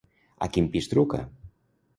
A quin pis truca?